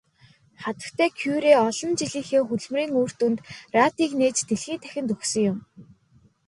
Хатагтай Кюре олон жилийнхээ хөдөлмөрийн үр дүнд радийг нээж дэлхий дахинд өгсөн юм.